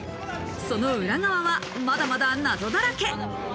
その裏側はまだまだ謎だらけ。